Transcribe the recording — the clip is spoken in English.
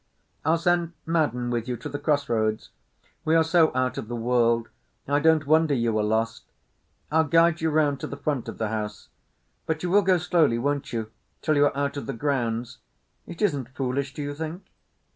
"I'll send Madden with you to the cross roads. We are so out of the world, I don't wonder you were lost! I'll guide you round to the front of the house; but you will go slowly, won't you, till you're out of the grounds? It isn't foolish, do you think?"